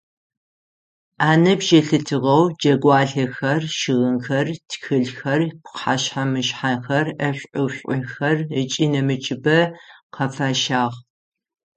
Аныбжь елъытыгъэу джэгуалъэхэр, щыгъынхэр, тхылъхэр, пхъэшъхьэ-мышъхьэхэр, ӏэшӏу-ӏушӏухэр ыкӏи нэмыкӏыбэ къафащагъ.